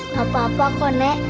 gak apa apa kok nek